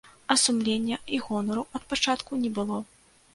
А сумлення і гонару ад пачатку не было.